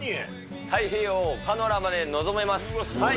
太平洋をパノラマで望めます。